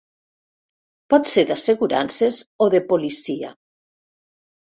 Pot ser d'assegurances o de policia.